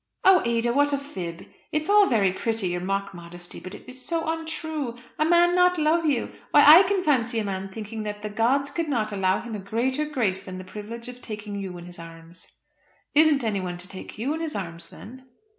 "Oh, Ada, what a fib. It is all very pretty, your mock modestly, but it is so untrue. A man not love you! Why, I can fancy a man thinking that the gods could not allow him a greater grace than the privilege of taking you in his arms." "Isn't anyone to take you in his arms, then?"